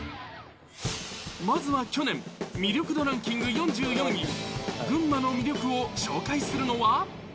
まずは去年、魅力度ランキング４４位、群馬の魅力を紹介するのは。